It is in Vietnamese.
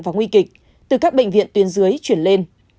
và nguy kịch từ các bệnh viện tuyến dưới chuyển lên